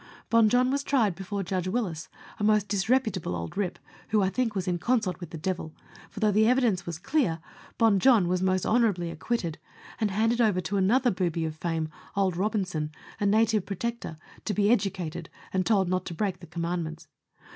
Bon Jon was tried before Judge Willis, a most dis reputable old rip, who I think was in consort with the devil, for, though the evidence was clear, Bon Jon was most honourably ac quitted, and handed over to another booby of fame, old Robinson, a Native Protector, to be educated and told not to break the com mandments.